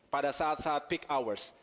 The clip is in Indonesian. pada saat saat peak hours